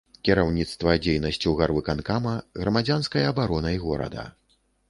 Кіраўніцтва дзейнасцю гарвыканкама, грамадзянскай абаронай горада.